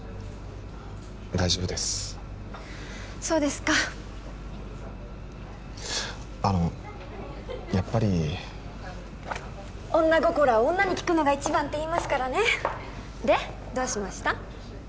大丈夫ですそうですかあのやっぱり女心は女に聞くのが一番って言いますからねでどうしました？